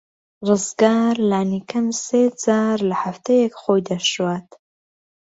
ڕزگار لانی کەم سێ جار لە هەفتەیەک خۆی دەشوات.